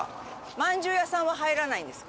まんじゅう屋さんは入らないんですか？